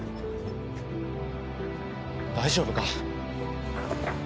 大丈夫か？